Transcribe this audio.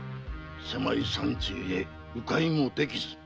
狭い山地ゆえ迂回もできず〕